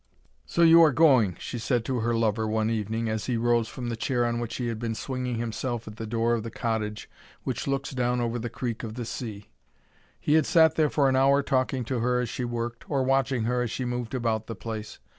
"So you are going," she said to her lover, one evening, as he rose from the chair on which he had been swinging himself at the door of the cottage which looks down over the creek of the sea. He had sat there for an hour talking to her as she worked, or watching her as she moved about the place.